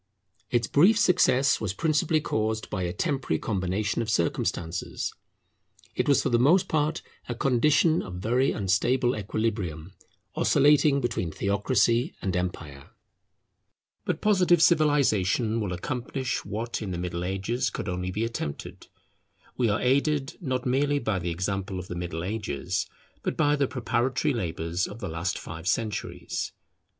Its brief success was principally caused by a temporary combination of circumstances. It was for the most part a condition of very unstable equilibrium, oscillating between theocracy and empire. [But the mediaeval attempt was premature; and Positivism will renew and complete it] But Positive civilization will accomplish what in the Middle Ages could only be attempted. We are aided, not merely by the example of the Middle Ages, but by the preparatory labours of the last five centuries.